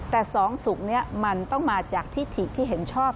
แต่สองสุกนี้มันต้องมาจากที่ถีกที่เห็นชอบ